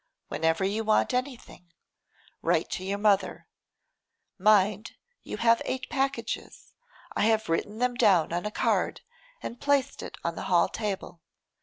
Whenever you want anything write to your mother. Mind, you have eight packages; I have written them down on a card and placed it on the hall table.